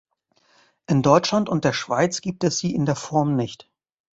In Deutschland und der Schweiz gibt es sie in der Form nicht.